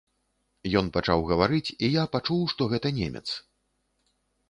Ён пачаў гаварыць, і я пачуў, што гэта немец.